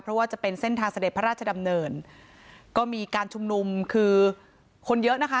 เพราะว่าจะเป็นเส้นทางเสด็จพระราชดำเนินก็มีการชุมนุมคือคนเยอะนะคะ